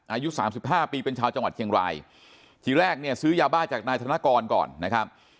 อายุสามสิบห้าปีเป็นชาวจังหวัดเชียงรายทีแรกเนี่ยซื้อยาบ้าจากนายธนกรก่อนนะครับ